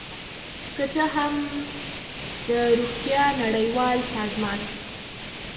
که څه هم د روغتیا نړیوال سازمان